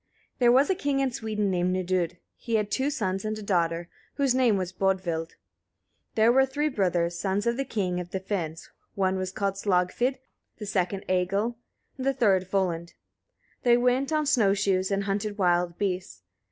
There was a king in Sweden named Nidud: he had two sons and a daughter, whose name was Bodvild. There were three brothers, sons of a king of the Finns, one was called Slagfid, the second Egil, the third Volund. They went on snow shoes and hunted wild beasts.